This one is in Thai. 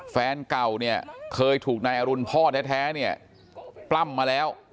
แฟนเก่าเนี่ยเคยถูกนายอรุณพ่อแท้เนี่ยปล้ำมาแล้ว